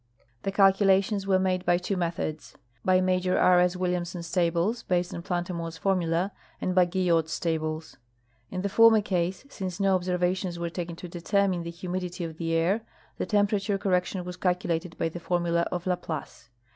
The calculations were made h}^ two methods — by iMajor R. S. M'illiamson's tables, based on Plantamour's formula, and by Guyot's tables. In the former case, since no observations were taken to determine the humidity of the air, the temperature cor rection Avas calculated by the formula of La Place.